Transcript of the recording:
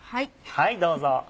はいどうぞ。